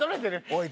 おい！